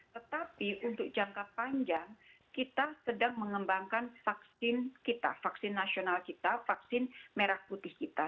tetapi untuk jangka panjang kita sedang mengembangkan vaksin kita vaksin nasional kita vaksin merah putih kita